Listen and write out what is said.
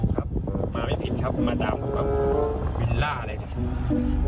ครับมาไม่ผิดครับมาตามครับภูวิลล่าอะไรเนี่ย